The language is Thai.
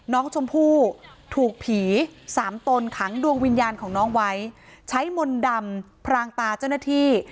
น้องชมพู่ถูกผีสามตนขังดวงวิญญาณของน้องไว้ใช้มนต์ดำพรางตาเจ้าหน้าที่